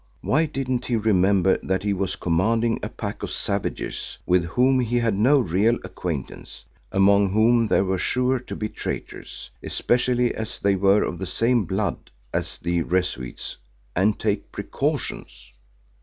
Why didn't he remember that he was commanding a pack of savages with whom he had no real acquaintance, among whom there were sure to be traitors, especially as they were of the same blood as the Rezuites, and take precautions?"